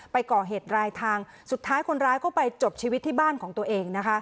ไปก่อเหตุรายทางสุดท้ายคนร้ายก็ไปจบชีวิตที่บ้านของตัวเองนะคะ